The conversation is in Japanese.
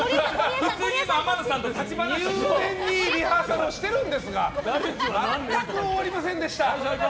入念にリハーサルをしてるんですが全く終わりませんでした。